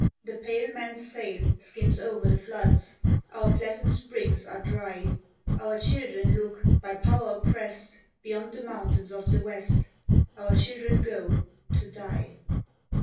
The pale man's sail skims o'er the floods; Our pleasant springs are dry; Our children look, by power oppressed, Beyond the mountains of the west Our children go to die."